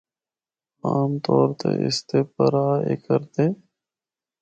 عام طور تے اس دے پراہا اے کردے۔